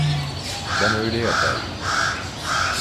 Ben öyle yapardım.